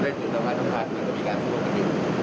และอีกชุดระวัติมันก็มีการสู้ลบกับหิ่น